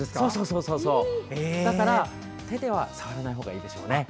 だから、手では触らない方がいいですよね。